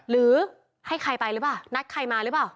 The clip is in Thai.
หรือให้ใครไปหรือเปล่านัดใครมาหรือเปล่า